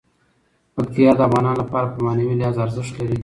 پکتیا د افغانانو لپاره په معنوي لحاظ ارزښت لري.